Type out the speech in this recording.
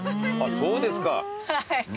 そうですね。